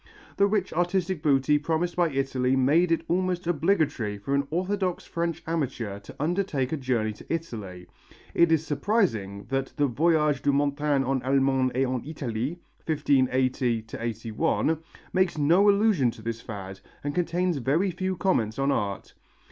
The rich artistic booty promised by Italy made it almost obligatory for an orthodox French amateur to undertake a journey to Italy. It is surprising that the Voyages de Montaigne en Allemande et en Italie, 1580 81, makes no allusion to this fad and contains very few comments on art.